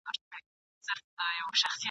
د صبر کاسه درنه ده !.